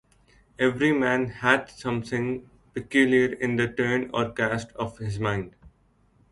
Every man hath something peculiar in the turn or cast of his mind.